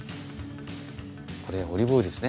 オリーブオイルですね。